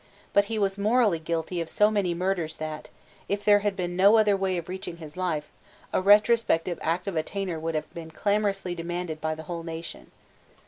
But he was morally guilty of so many murders that, if there had been no other way of reaching his life, a retrospective Act of Attainder would have been clamorously demanded by the whole nation.